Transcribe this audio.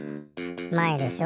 まえでしょ？